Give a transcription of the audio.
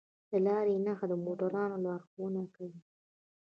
د لارې نښه د موټروان لارښوونه کوي.